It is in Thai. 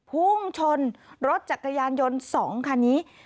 พุ่งชนรถจักรยานยนต์๒คันนี้